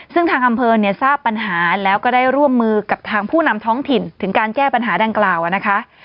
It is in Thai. ซึ่งทางอำเภอเนี่ยทราบปัญหาแล้วก็ได้ร่วมมือกับทางผู้นำท้องถิ่นถึงการแก้ปัญหาดังกล่าวนะคะ